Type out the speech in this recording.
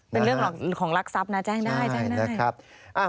เป็นเรื่องของรักทรัพย์นะแจ้งได้